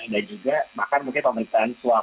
dan juga makan mungkin pemeriksaan swab